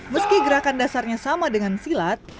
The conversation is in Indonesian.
meski gerakan dasarnya sama dengan silat